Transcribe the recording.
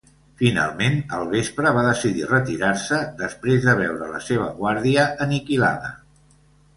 Finalment, al vespre va decidir retirar-se després de veure la seva guàrdia aniquilada.